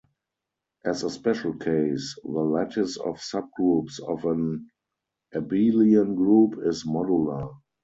As a special case, the lattice of subgroups of an abelian group is modular.